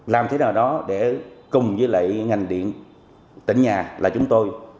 làm thế nào đó để cùng với lại ngành điện tỉnh nhà là chúng tôi